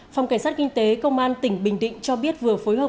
phòng cảnh sát kinh tế công an tỉnh bình định cho biết vừa phối hợp